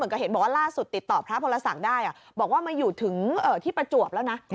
ก็เห็นบอกว่าล่าสุดติดต่อพระพรศักดิ์ได้บอกว่ามาอยู่ถึงที่ประจวบแล้วนะ